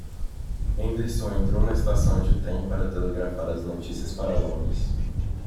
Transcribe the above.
Henderson entrou na estação de trem para telegrafar as notícias para Londres.